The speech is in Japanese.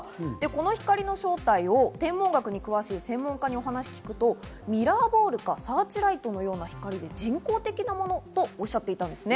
この光の正体を天文学に詳しい専門家にお話を聞くと、ミラーボールかサーチライトのような光で人工的なものとおっしゃっていました。